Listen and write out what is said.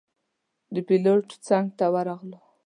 د پېلوټ څنګ ته ورغلو.